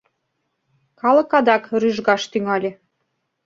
Калык адак рӱжгаш тӱҥале.